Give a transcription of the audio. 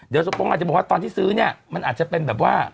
เดี๋ยวสปงอาจจะบอกว่าตอนที่ซื้อเนี่ยมันอาจจะเป็นแบบว่า